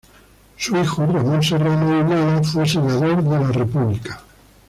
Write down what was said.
Su hijo Ramón Serrano Ahumada fue senador de la república.